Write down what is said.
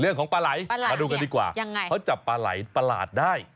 เรื่องของปะไหล่มาดูกันดีกว่าเขาจับปะไหล่ประหลาดได้